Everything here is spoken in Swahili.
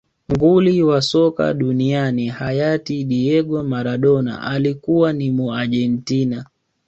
nguli wa soka duniani hayati diego maradona alikuwa ni muargentina